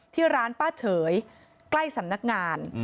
ที่ร้านป้าเฉยใกล้สำนักงาน